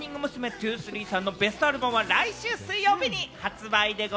’２３さんのベストアルバムは来週水曜日に発売です。